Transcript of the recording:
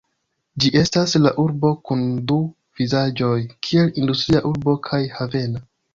Ĝi estas la urbo kun du vizaĝoj kiel industria urbo kaj havena.